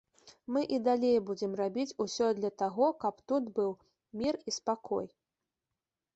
Мы і далей будзем рабіць усё для таго, каб тут быў мір і спакой.